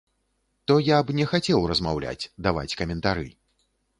То я б не хацеў размаўляць, даваць каментары.